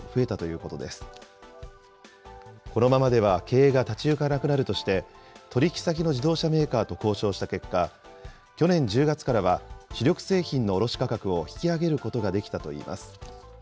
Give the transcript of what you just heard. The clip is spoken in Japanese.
このままでは経営が立ち行かなくなるとして取り引き先の自動車メーカーと交渉した結果、去年１０月からは、主力製品の卸価格を引き上げることができたといいます。